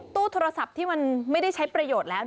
ตู้โทรศัพท์ที่มันไม่ได้ใช้ประโยชน์แล้ว